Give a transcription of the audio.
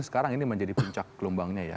sekarang ini menjadi puncak gelombangnya ya